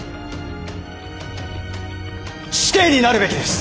死刑になるべきです！